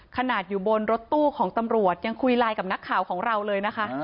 ขนาดอยู่บนรถตู้ของตำรวจยังคุยไลน์กับนักข่าวของเราเลยนะคะ